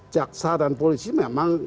jaksa dan polisi memang